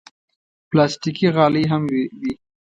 پلاستيکي غالۍ هم وي.